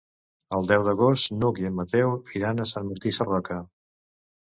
El deu d'agost n'Hug i en Mateu iran a Sant Martí Sarroca.